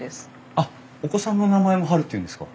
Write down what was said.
あっお子さんの名前もハルっていうんですか？